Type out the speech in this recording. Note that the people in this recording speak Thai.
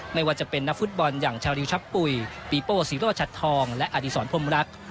ไม่ว่าจะเป็นนักฟุตบอลอย่างชาริวชับปุ๋ยปีโป้สีโรชัดทองและอดีศรพรมรัก